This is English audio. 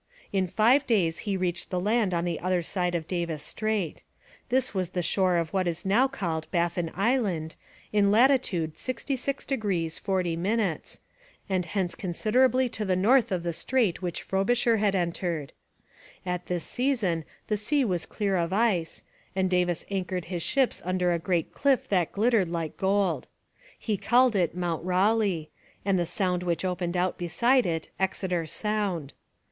In five days he reached the land on the other side of Davis Strait. This was the shore of what is now called Baffin Island, in latitude 66° 40', and hence considerably to the north of the strait which Frobisher had entered. At this season the sea was clear of ice, and Davis anchored his ships under a great cliff that glittered like gold. He called it Mount Raleigh, and the sound which opened out beside it Exeter Sound.